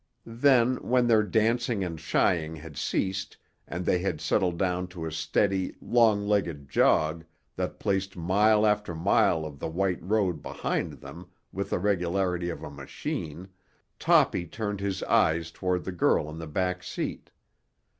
Then, when their dancing and shying had ceased and they had settled down to a steady, long legged jog that placed mile after mile of the white road behind them with the regularity of a machine, Toppy turned his eyes toward the girl in the back seat.